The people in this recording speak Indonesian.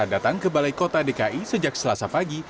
datang ke balai kota dki sejak selasa pagi